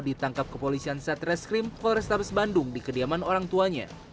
ditangkap ke polisian satreskrim korestabes bandung di kediaman orang tuanya